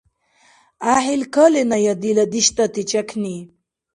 ГӀяхӀил каленая, дила диштӀати чякни!